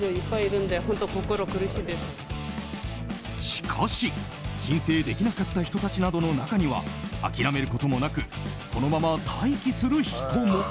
しかし、申請できなかった人たちなどの中には諦めることもなくそのまま待機する人も。